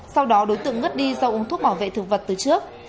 sau đó đối tượng ngất đi do uống thuốc bảo vệ thực vật từ trước